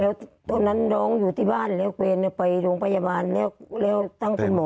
แล้วตอนนั้นน้องอยู่ที่บ้านแล้วเวรไปโรงพยาบาลแล้วตั้งเป็นหมอ